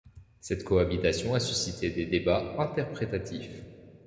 Cette cohabitation a suscité des débats interprétatifs.